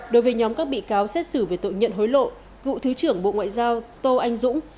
đối với nhóm các bị cáo xét xử về tội nhận hối lộ cựu thứ trưởng bộ ngoại giao tô anh dũng